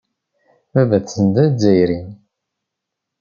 Baba-tsen d Azzayri.